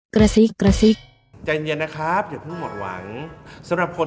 กระซิกกระซิกใจเย็นนะครับอย่าเพิ่งหมดหวังสำหรับคน